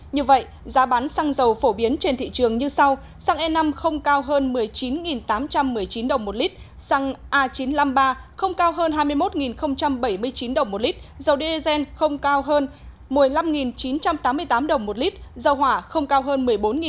như vậy giá bán xăng dầu phổ biến trên thị trường như sau xăng e năm không cao hơn một mươi chín tám trăm một mươi chín đồng một lít xăng a chín trăm năm mươi ba không cao hơn hai mươi một bảy mươi chín đồng một lít dầu diesel không cao hơn một mươi năm chín trăm tám mươi tám đồng một lít dầu hỏa không cao hơn một mươi bốn chín trăm sáu mươi hai đồng một lít dầu ma rút không cao hơn một mươi một một trăm một mươi tám đồng một kg